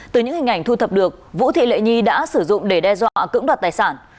từ những hình ảnh thu thập được vũ thị lệ nhi đã sử dụng để đe dọa cưỡng đoạt tài sản